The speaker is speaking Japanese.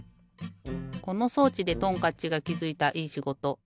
この装置でトンカッチがきづいたいいしごと。